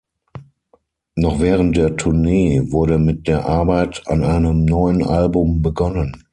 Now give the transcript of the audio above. Noch während der Tournee wurde mit der Arbeit an einem neuen Album begonnen.